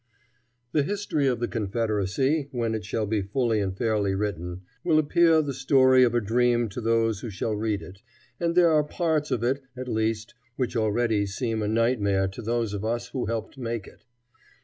The history of the Confederacy, when it shall be fully and fairly written, will appear the story of a dream to those who shall read it, and there are parts of it at least which already seem a nightmare to those of us who helped make it.